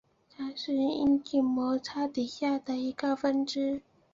它是阴茎摩擦底下的一个分支。